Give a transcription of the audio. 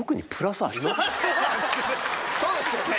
そうですよね。